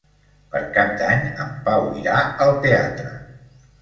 Per Cap d'Any en Pau irà al teatre.